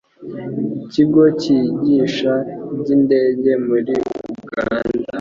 ikigo kigisha iby'indege muri Uganda,